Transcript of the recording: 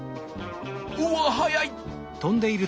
うわ速い！